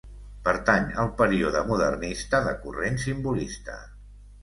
Pertany al període modernista de corrent simbolista.